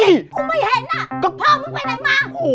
กูไม่เห็นอ่ะก็พ่อมึงไปไหนมา